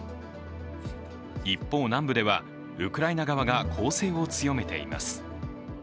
一方、南部ではウクライナ側が攻勢を強めています。